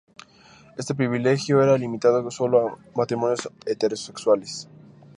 Este privilegio era limitado solo a matrimonios heterosexuales.